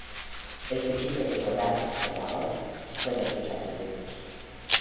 El cuchillo de podar, o la hoz, fueron sus atributos.